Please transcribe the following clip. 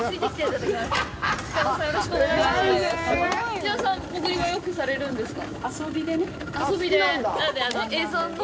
北埜さん、潜りはよくされるんですか？